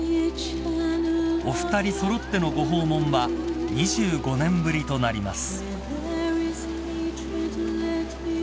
［お二人揃ってのご訪問は２５年ぶりとなります］